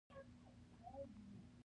مشرقي وال انډیوال په ځانګړې لهجه کې وایي.